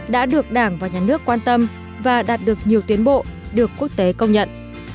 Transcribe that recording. đã được đảng và nhà nước quan tâm và đạt được nhiều tiến bộ được quốc tế công nhận